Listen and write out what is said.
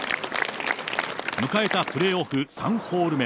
迎えたプレーオフ３ホール目。